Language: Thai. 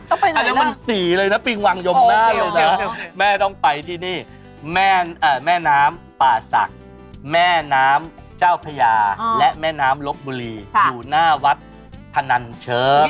อันนี้มันสีเลยนะปิงวังยมหน้าเดียวนะแม่ต้องไปที่นี่แม่น้ำป่าศักดิ์แม่น้ำเจ้าพญาและแม่น้ำลบบุรีอยู่หน้าวัดพนันเชิง